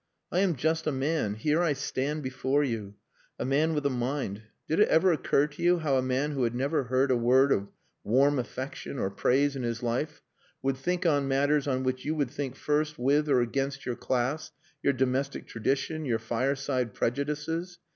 I am just a man. Here I stand before you. A man with a mind. Did it ever occur to you how a man who had never heard a word of warm affection or praise in his life would think on matters on which you would think first with or against your class, your domestic tradition your fireside prejudices?...